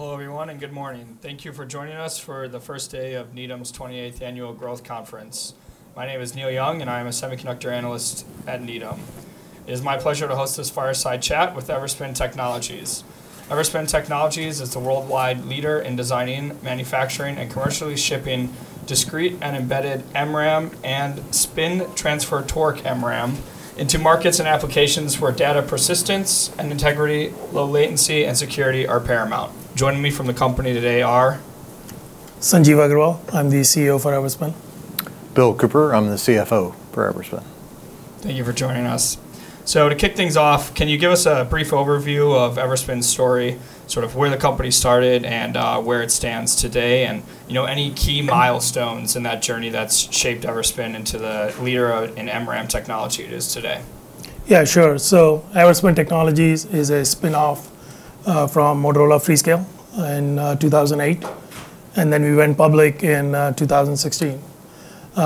Hello everyone and good morning. Thank you for joining us for the first day of Needham's 28th Annual Growth Conference. My name is Neil Young, and I am a semiconductor analyst at Needham. It is my pleasure to host this fireside chat with Everspin Technologies. Everspin Technologies is the worldwide leader in designing, manufacturing, and commercially shipping discrete and embedded MRAM and spin transfer torque MRAM into markets and applications where data persistence and integrity, low latency, and security are paramount. Joining me from the company today are. Sanjeev Aggarwal, I'm the CEO for Everspin. Bill Cooper, I'm the CFO for Everspin. Thank you for joining us. So to kick things off, can you give us a brief overview of Everspin's story, sort of where the company started and where it stands today, and any key milestones in that journey that's shaped Everspin into the leader in MRAM technology it is today? Yeah, sure. So Everspin Technologies is a spinoff from Freescale in 2008, and then we went public in 2016.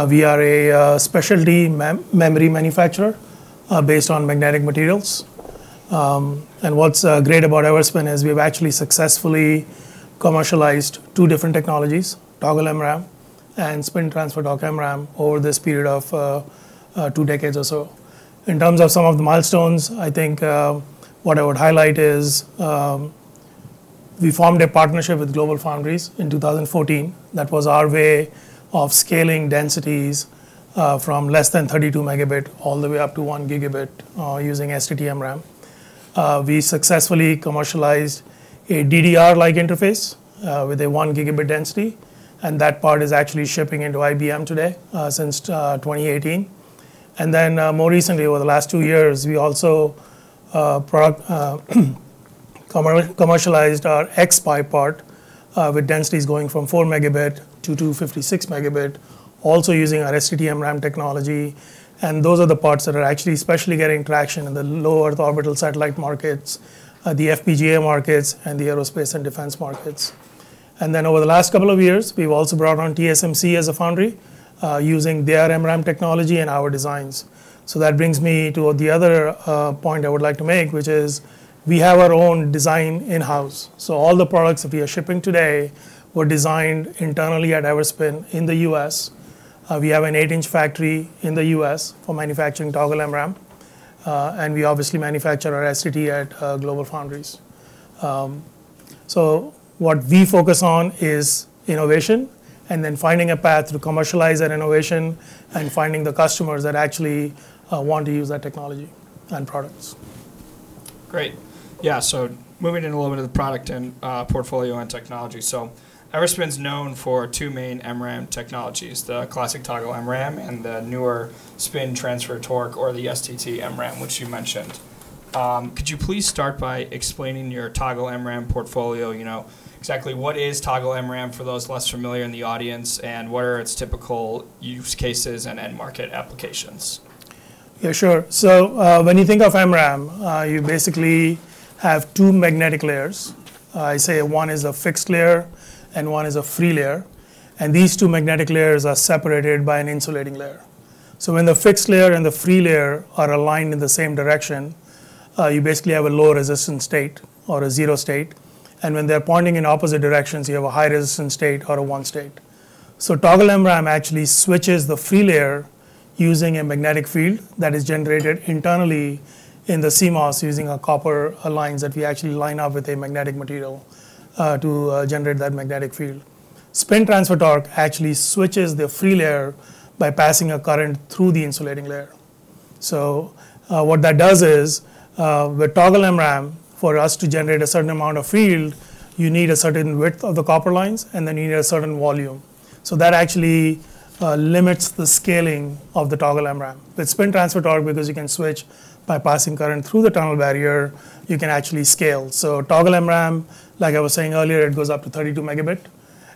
We are a specialty memory manufacturer based on magnetic materials. And what's great about Everspin is we've actually successfully commercialized two different technologies: toggle MRAM and spin transfer torque MRAM over this period of two decades or so. In terms of some of the milestones, I think what I would highlight is we formed a partnership with GlobalFoundries in 2014. That was our way of scaling densities from less than 32 megabit all the way up to one gigabit using STT-MRAM. We successfully commercialized a DDR-like interface with a one gigabit density, and that part is actually shipping into IBM today since 2018. And then more recently, over the last two years, we also commercialized our xSPi part with densities going from four megabit to 256 megabit, also using our STT-MRAM technology. And those are the parts that are actually especially getting traction in the low Earth orbit satellite markets, the FPGA markets, and the aerospace and defense markets. And then over the last couple of years, we've also brought on TSMC as a foundry using their MRAM technology and our designs. So that brings me to the other point I would like to make, which is we have our own design in-house. So all the products that we are shipping today were designed internally at Everspin in the U.S. We have an eight-inch factory in the U.S. for manufacturing Toggle MRAM, and we obviously manufacture our STT at GlobalFoundries. So what we focus on is innovation and then finding a path to commercialize that innovation and finding the customers that actually want to use that technology and products. Great. Yeah, so moving in a little bit of the product portfolio and technology. So Everspin's known for two main MRAM technologies: the classic Toggle MRAM and the newer spin transfer torque, or the STT-MRAM, which you mentioned. Could you please start by explaining your Toggle MRAM portfolio? Exactly what is Toggle MRAM for those less familiar in the audience, and what are its typical use cases and end market applications? Yeah, sure. So when you think of MRAM, you basically have two magnetic layers. I say one is a fixed layer and one is a free layer. And these two magnetic layers are separated by an insulating layer. So when the fixed layer and the free layer are aligned in the same direction, you basically have a low resistance state or a zero state. And when they're pointing in opposite directions, you have a high resistance state or a one state. So toggle MRAM actually switches the free layer using a magnetic field that is generated internally in the CMOS using a copper lines that we actually line up with a magnetic material to generate that magnetic field. Spin transfer torque actually switches the free layer by passing a current through the insulating layer. So what that does is with Toggle MRAM, for us to generate a certain amount of field, you need a certain width of the copper lines, and then you need a certain volume. So that actually limits the scaling of the Toggle MRAM. With spin transfer torque, because you can switch by passing current through the tunnel barrier, you can actually scale. So Toggle MRAM, like I was saying earlier, it goes up to 32 megabit.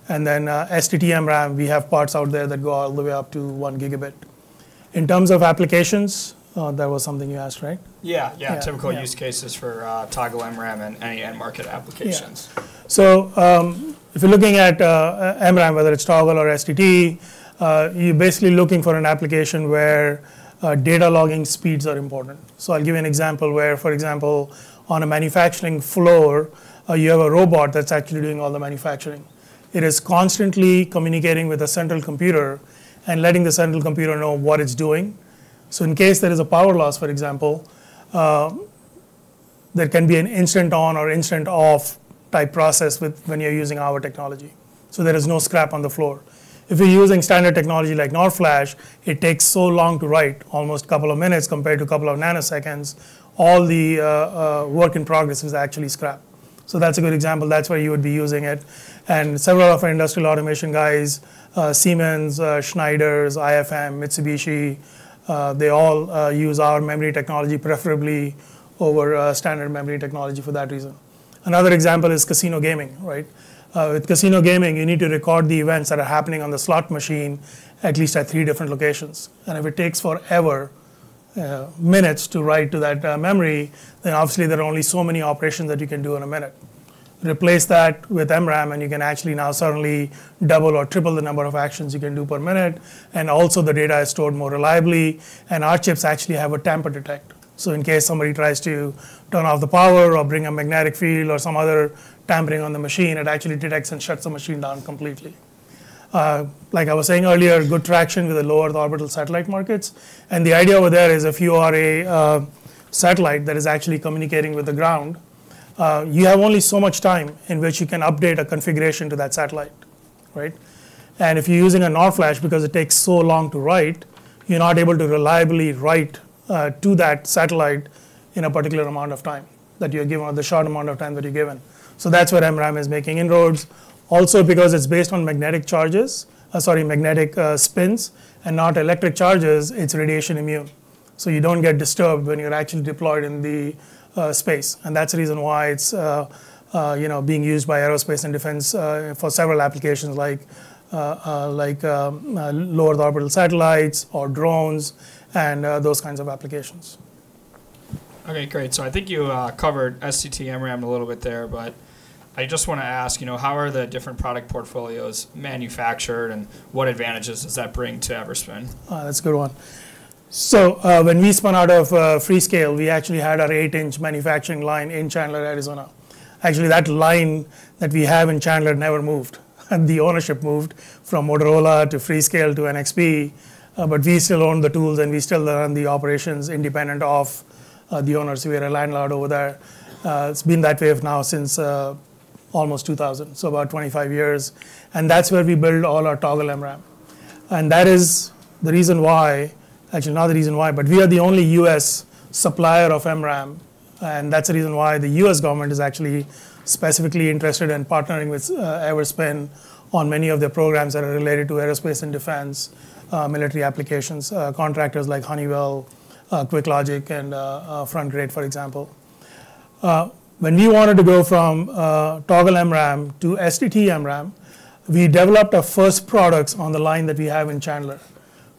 And then STT-MRAM, we have parts out there that go all the way up to one gigabit. In terms of applications, that was something you asked, right? Yeah, yeah. Typical use cases for toggle MRAM and any end market applications. So if you're looking at MRAM, whether it's toggle or STT, you're basically looking for an application where data logging speeds are important. So I'll give you an example where, for example, on a manufacturing floor, you have a robot that's actually doing all the manufacturing. It is constantly communicating with a central computer and letting the central computer know what it's doing. So in case there is a power loss, for example, there can be an instant on or instant off type process when you're using our technology. So there is no scrap on the floor. If you're using standard technology like NOR Flash, it takes so long to write, almost a couple of minutes compared to a couple of nanoseconds, all the work in progress is actually scrap. So that's a good example. That's where you would be using it. Several of our industrial automation guys, Siemens, Schneider, IFM, Mitsubishi, they all use our memory technology, preferably over standard memory technology for that reason. Another example is casino gaming, right? With casino gaming, you need to record the events that are happening on the slot machine at least at three different locations. And if it takes forever minutes to write to that memory, then obviously there are only so many operations that you can do in a minute. Replace that with MRAM, and you can actually now suddenly double or triple the number of actions you can do per minute. And also the data is stored more reliably. And our chips actually have a tamper detect. So in case somebody tries to turn off the power or bring a magnetic field or some other tampering on the machine, it actually detects and shuts the machine down completely. Like I was saying earlier, good traction with the lower orbital satellite markets. And the idea over there is if you are a satellite that is actually communicating with the ground, you have only so much time in which you can update a configuration to that satellite, right? And if you're using a NOR Flash, because it takes so long to write, you're not able to reliably write to that satellite in a particular amount of time that you're given, the short amount of time that you're given. So that's where MRAM is making inroads. Also, because it's based on magnetic charges, sorry, magnetic spins and not electric charges, it's radiation immune. So you don't get disturbed when you're actually deployed in the space. That's the reason why it's being used by aerospace and defense for several applications like low-Earth orbital satellites or drones and those kinds of applications. Okay, great. So I think you covered STT-MRAM a little bit there, but I just want to ask, how are the different product portfolios manufactured and what advantages does that bring to Everspin? That's a good one. So when we spun out of Freescale, we actually had our eight-inch manufacturing line in Chandler, Arizona. Actually, that line that we have in Chandler never moved. The ownership moved from Motorola to Freescale to NXP, but we still own the tools and we still run the operations independent of the owners. We had a landlord over there. It's been that way now since almost 2000, so about 25 years. And that's where we build all our Toggle MRAM. And that is the reason why, actually not the reason why, but we are the only U.S. supplier of MRAM. And that's the reason why the U.S. government is actually specifically interested in partnering with Everspin on many of their programs that are related to aerospace and defense, military applications, contractors like Honeywell, QuickLogic, and Frontgrade, for example. When we wanted to go from Toggle MRAM to STT-MRAM, we developed our first products on the line that we have in Chandler,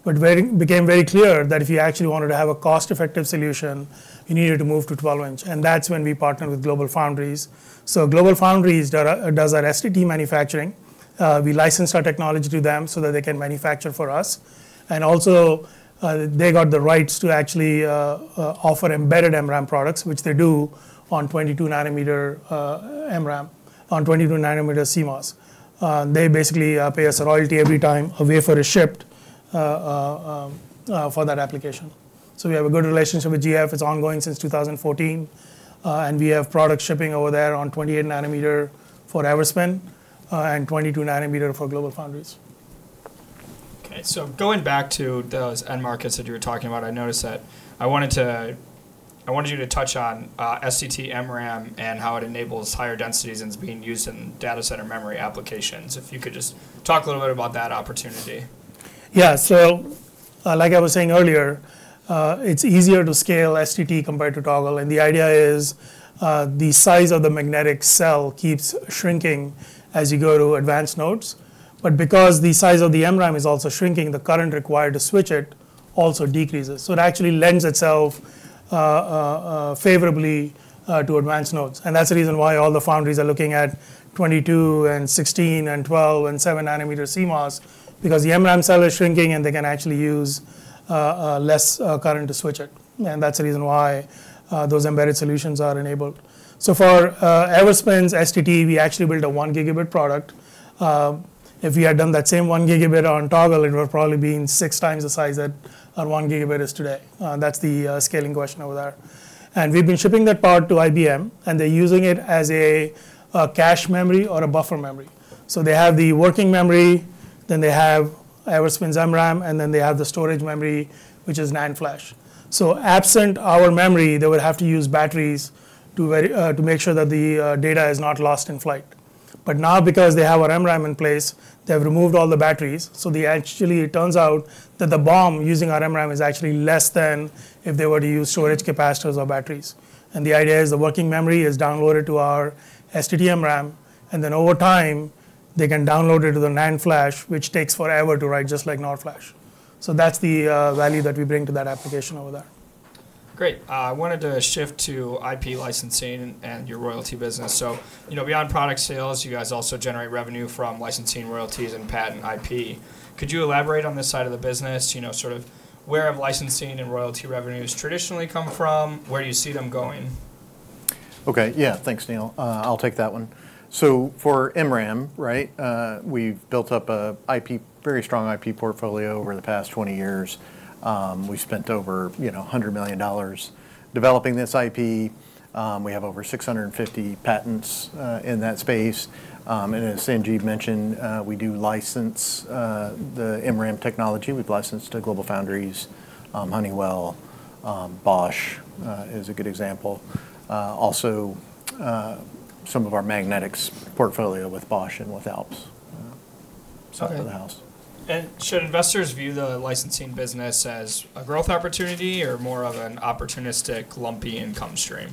but it became very clear that if you actually wanted to have a cost-effective solution, you needed to move to 12-inch. That's when we partnered with GlobalFoundries. GlobalFoundries does our STT manufacturing. We licensed our technology to them so that they can manufacture for us. They also got the rights to actually offer embedded MRAM products, which they do on 22 nanometer MRAM, on 22 nanometer CMOS. They basically pay us a royalty every time a wafer is shipped for that application. We have a good relationship with GF. It's ongoing since 2014. We have product shipping over there on 28 nanometer for Everspin and 22 nanometer for GlobalFoundries. Okay, so going back to those end markets that you were talking about, I noticed that I wanted you to touch on STT-MRAM and how it enables higher densities and is being used in data center memory applications. If you could just talk a little bit about that opportunity. Yeah, so like I was saying earlier, it's easier to scale STT compared to toggle, and the idea is the size of the magnetic cell keeps shrinking as you go to advanced nodes. But because the size of the MRAM is also shrinking, the current required to switch it also decreases, so it actually lends itself favorably to advanced nodes, and that's the reason why all the foundries are looking at 22- and 16- and 12- and 7-nanometer CMOS because the MRAM cell is shrinking and they can actually use less current to switch it. And that's the reason why those embedded solutions are enabled, so for Everspin's STT, we actually built a one-gigabit product. If we had done that same one-gigabit on toggle, it would have probably been six times the size that one gigabit is today. That's the scaling question over there. And we've been shipping that part to IBM, and they're using it as a cache memory or a buffer memory. So they have the working memory, then they have Everspin's MRAM, and then they have the storage memory, which is NAND flash. So absent our memory, they would have to use batteries to make sure that the data is not lost in flight. But now, because they have our MRAM in place, they have removed all the batteries. So it turns out that the BOM using our MRAM is actually less than if they were to use storage capacitors or batteries. And the idea is the working memory is downloaded to our STT-MRAM, and then over time they can download it to the NAND flash, which takes forever to write, just like NOR Flash. So that's the value that we bring to that application over there. Great. I wanted to shift to IP licensing and your royalty business. So beyond product sales, you guys also generate revenue from licensing, royalties, and patent IP. Could you elaborate on this side of the business, sort of where have licensing and royalty revenues traditionally come from? Where do you see them going? Okay, yeah, thanks, Neil. I'll take that one. So for MRAM, right, we've built up a very strong IP portfolio over the past 20 years. We spent over $100 million developing this IP. We have over 650 patents in that space. And as Sanjeev mentioned, we do license the MRAM technology. We've licensed to GlobalFoundries, Honeywell, Bosch is a good example. Also some of our magnetics portfolio with Bosch and with Alps. Sorry for the pause. Should investors view the licensing business as a growth opportunity or more of an opportunistic, lumpy income stream?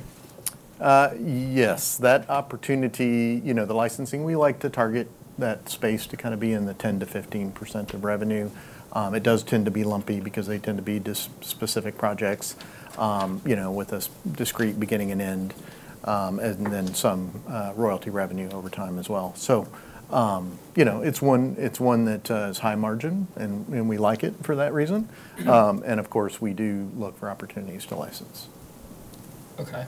Yes, that opportunity, the licensing, we like to target that space to kind of be in the 10%-15% of revenue. It does tend to be lumpy because they tend to be specific projects with a discrete beginning and end, and then some royalty revenue over time as well. So it's one that is high margin, and we like it for that reason. And of course, we do look for opportunities to license. Okay.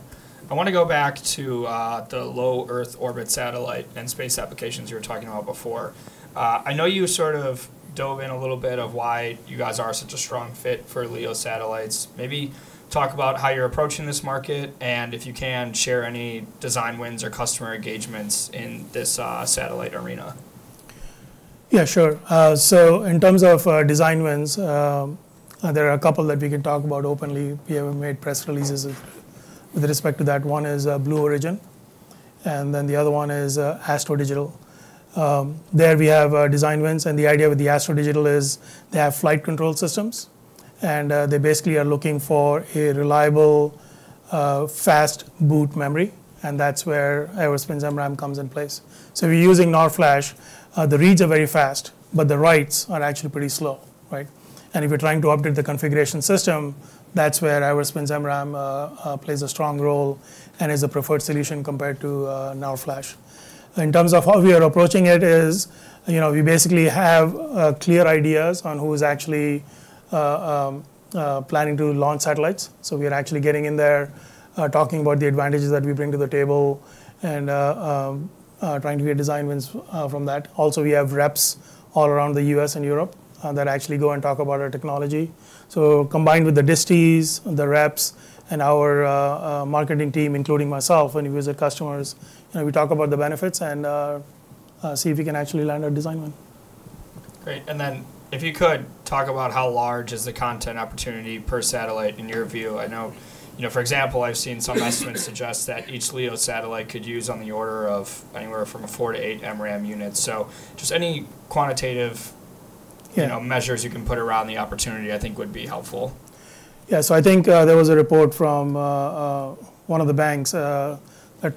I want to go back to the low Earth orbit satellite and space applications you were talking about before. I know you sort of dove in a little bit of why you guys are such a strong fit for LEO satellites. Maybe talk about how you're approaching this market and if you can share any design wins or customer engagements in this satellite arena? Yeah, sure. So in terms of design wins, there are a couple that we can talk about openly. We have made press releases with respect to that. One is Blue Origin, and then the other one is Astro Digital. There we have design wins. And the idea with the Astro Digital is they have flight control systems, and they basically are looking for a reliable, fast boot memory. And that's where Everspin's MRAM comes in place. So if you're using NOR Flash, the reads are very fast, but the writes are actually pretty slow, right? And if you're trying to update the configuration system, that's where Everspin's MRAM plays a strong role and is a preferred solution compared to NOR Flash. In terms of how we are approaching it, we basically have clear ideas on who is actually planning to launch satellites. We are actually getting in there, talking about the advantages that we bring to the table and trying to get design wins from that. Also, we have reps all around the U.S. and Europe that actually go and talk about our technology. Combined with the distis, the reps, and our marketing team, including myself, and we visit customers, we talk about the benefits and see if we can actually land a design win. Great. And then if you could talk about how large is the content opportunity per satellite in your view? I know, for example, I've seen some estimates suggest that each LEO satellite could use on the order of anywhere from four to eight MRAM units. So just any quantitative measures you can put around the opportunity, I think would be helpful. Yeah, so I think there was a report from one of the banks that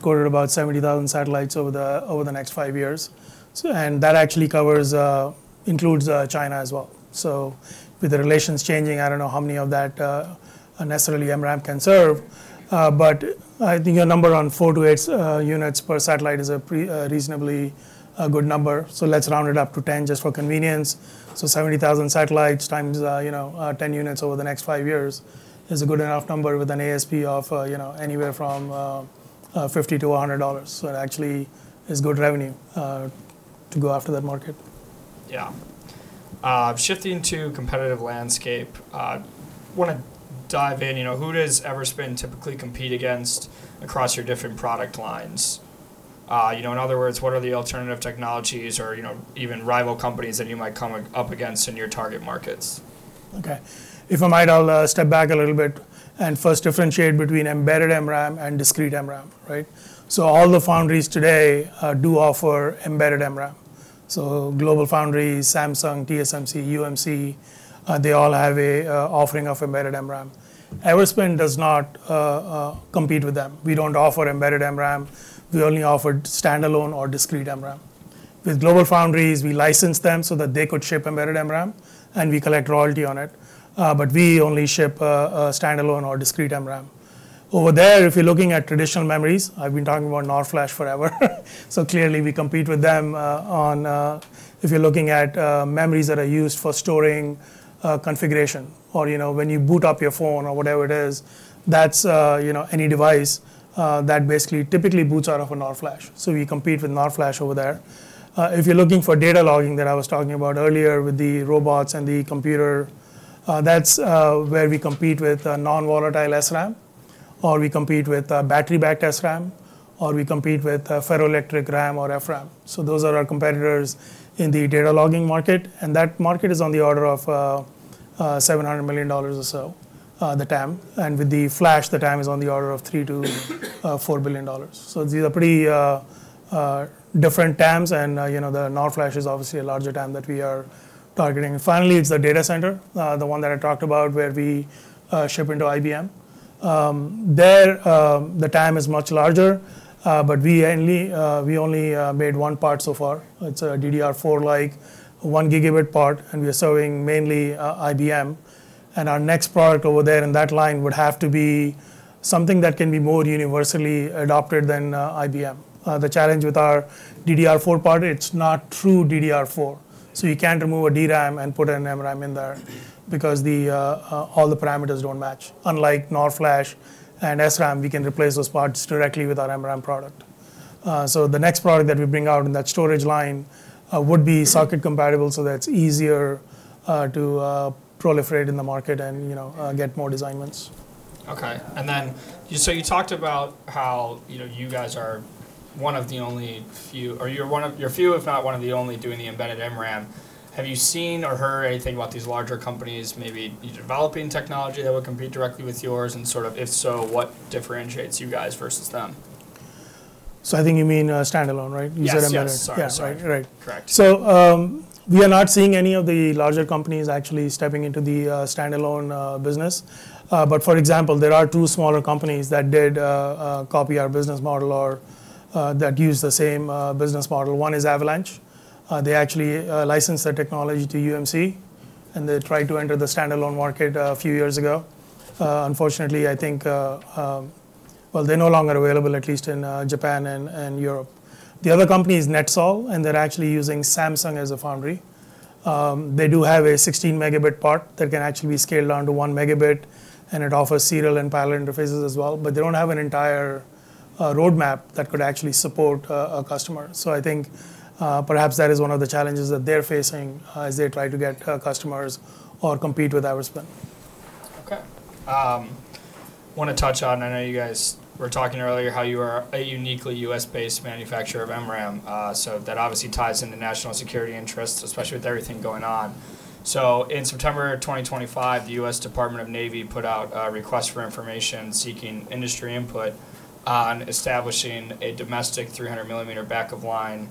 quoted about 70,000 satellites over the next five years. And that actually includes China as well. So with the relations changing, I don't know how many of that necessarily MRAM can serve, but I think a number of four to eight units per satellite is a reasonably good number. So let's round it up to 10 just for convenience. So 70,000 satellites times 10 units over the next five years is a good enough number with an ASP of anywhere from $50-$100. So it actually is good revenue to go after that market. Yeah. Shifting to competitive landscape, I want to dive in. Who does Everspin typically compete against across your different product lines? In other words, what are the alternative technologies or even rival companies that you might come up against in your target markets? Okay. If I might, I'll step back a little bit and first differentiate between embedded MRAM and discrete MRAM, right? So all the foundries today do offer embedded MRAM. So GlobalFoundries, Samsung, TSMC, UMC, they all have an offering of embedded MRAM. Everspin does not compete with them. We don't offer embedded MRAM. We only offer standalone or discrete MRAM. With GlobalFoundries, we license them so that they could ship embedded MRAM, and we collect royalty on it. But we only ship standalone or discrete MRAM. Over there, if you're looking at traditional memories, I've been talking about NOR Flash forever. So clearly we compete with them on if you're looking at memories that are used for storing configuration or when you boot up your phone or whatever it is, that's any device that basically typically boots out of a NOR Flash. So we compete with NOR Flash over there. If you're looking for data logging that I was talking about earlier with the robots and the computer, that's where we compete with non-volatile SRAM, or we compete with battery-backed SRAM, or we compete with ferroelectric RAM or FRAM. So those are our competitors in the data logging market. And that market is on the order of $700 million or so at the time. And with the Flash, the market is on the order of $3-$4 billion. So these are pretty different markets. And the NOR Flash is obviously a larger market that we are targeting. Finally, it's the data center, the one that I talked about where we ship into IBM. There, the market is much larger, but we only made one part so far. It's a DDR4-like one gigabit part, and we are serving mainly IBM. Our next product over there in that line would have to be something that can be more universally adopted than IBM. The challenge with our DDR4 part, it's not true DDR4. So you can't remove a DRAM and put an MRAM in there because all the parameters don't match. Unlike NOR Flash and SRAM, we can replace those parts directly with our MRAM product. So the next product that we bring out in that storage line would be socket compatible so that it's easier to proliferate in the market and get more design wins. Okay, and then so you talked about how you guys are one of the only few, or you're few, if not one of the only doing the embedded MRAM. Have you seen or heard anything about these larger companies, maybe developing technology that would compete directly with yours, and sort of if so, what differentiates you guys versus them? So I think you mean standalone, right? Yeah, sorry. Yeah, sorry. Correct. So we are not seeing any of the larger companies actually stepping into the standalone business. But for example, there are two smaller companies that did copy our business model or that use the same business model. One is Avalanche. They actually licensed their technology to UMC, and they tried to enter the standalone market a few years ago. Unfortunately, I think, well, they're no longer available, at least in Japan and Europe. The other company is NETSOL, and they're actually using Samsung as a foundry. They do have a 16 megabit part that can actually be scaled down to one megabit, and it offers serial and parallel interfaces as well. But they don't have an entire roadmap that could actually support a customer. So I think perhaps that is one of the challenges that they're facing as they try to get customers or compete with Everspin. Okay. I want to touch on. I know you guys were talking earlier how you are a uniquely U.S.-based manufacturer of MRAM. So that obviously ties into national security interests, especially with everything going on. So in September 2025, the U.S. Department of the Navy put out a request for information seeking industry input on establishing a domestic 300 millimeter back-end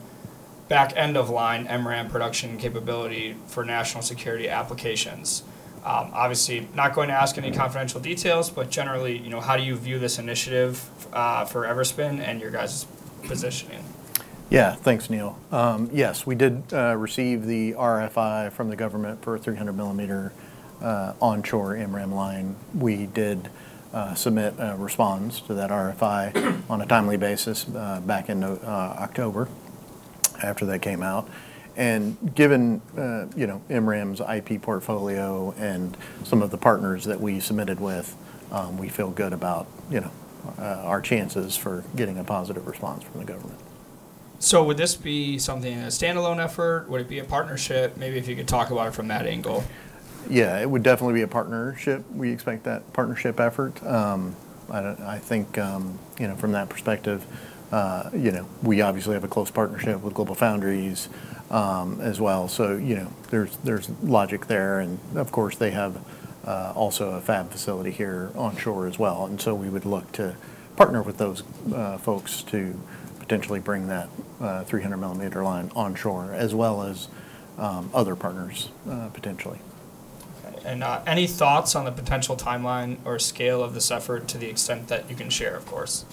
of line MRAM production capability for national security applications. Obviously, not going to ask any confidential details, but generally, how do you view this initiative for Everspin and your guys' positioning? Yeah, thanks, Neil. Yes, we did receive the RFI from the government for a 300 millimeter onshore MRAM line. We did submit a response to that RFI on a timely basis back in October after that came out. And given MRAM's IP portfolio and some of the partners that we submitted with, we feel good about our chances for getting a positive response from the government. So would this be something in a standalone effort? Would it be a partnership? Maybe if you could talk about it from that angle. Yeah, it would definitely be a partnership. We expect that partnership effort. I think from that perspective, we obviously have a close partnership with GlobalFoundries as well. So there's logic there. And of course, they have also a fab facility here onshore as well. And so we would look to partner with those folks to potentially bring that 300 millimeter line onshore, as well as other partners potentially. Any thoughts on the potential timeline or scale of this effort to the extent that you can share, of course?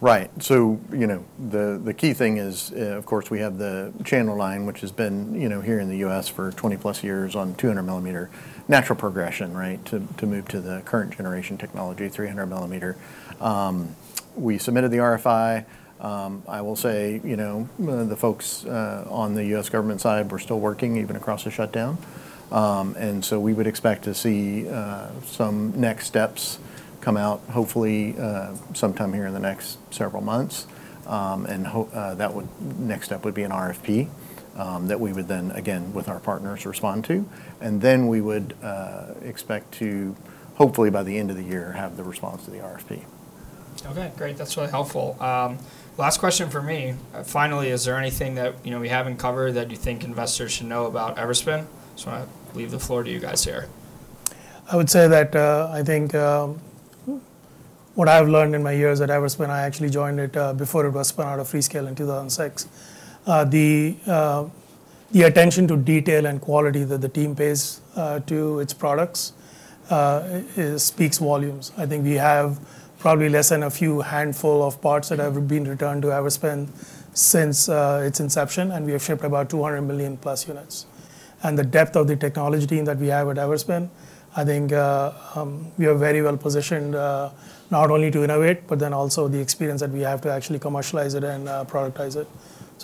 Right. So the key thing is, of course, we have the Chandler line, which has been here in the U.S. for 20 plus years on 200 millimeter, natural progression, right, to move to the current generation technology, 300 millimeter. We submitted the RFI. I will say the folks on the U.S. government side were still working even across the shutdown. And so we would expect to see some next steps come out, hopefully sometime here in the next several months. And that next step would be an RFP that we would then, again, with our partners, respond to. And then we would expect to, hopefully by the end of the year, have the response to the RFP. Okay, great. That's really helpful. Last question for me. Finally, is there anything that we haven't covered that you think investors should know about Everspin? So I'll leave the floor to you guys here. I would say that I think what I've learned in my years at Everspin. I actually joined it before it was spun out of Freescale in 2006. The attention to detail and quality that the team pays to its products speaks volumes. I think we have probably less than a few handful of parts that have been returned to Everspin since its inception, and we have shipped about 200 million plus units. The depth of the technology team that we have at Everspin, I think we are very well positioned not only to innovate, but then also the experience that we have to actually commercialize it and productize it.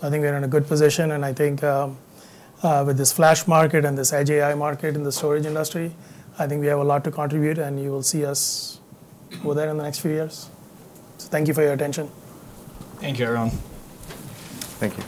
I think we're in a good position. I think with this flash market and this edge AI market in the storage industry, I think we have a lot to contribute, and you will see us within the next few years. Thank you for your attention. Thank you, Young. Thank you.